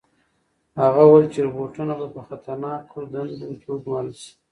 هغه وویل چې روبوټونه به په خطرناکو دندو کې وګمارل شي.